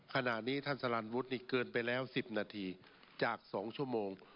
ขณะนี้ท่านสลันวุฒินี่เกินไปแล้ว๑๐นาทีจาก๒ชั่วโมง